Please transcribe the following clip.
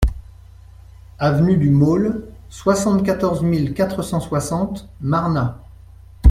Avenue du Môle, soixante-quatorze mille quatre cent soixante Marnaz